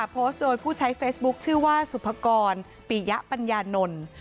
โพสต์โดยผู้ใช้เฟซบุ๊คชื่อว่าสุภกรปิยะปัญญานนท์